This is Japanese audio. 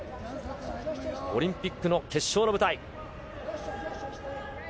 オリンピックの決勝の舞台。